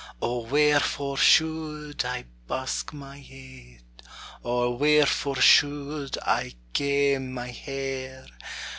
O wherefore should I busk my heid. Or wherefore should I kame my hair?